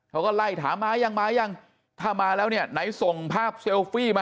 เขาก็ไล่ถามมายังมายังถ้ามาแล้วเนี่ยไหนส่งภาพเซลฟี่มา